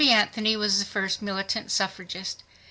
Anthony was the first militant suffragist.